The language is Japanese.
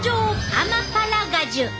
アマパラガジュ。